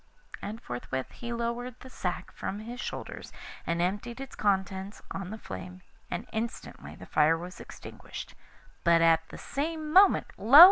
And forthwith he lowered the sack from his shoulders and emptied its contents on the flames, and instantly the fire was extinguished; but at the same moment lo!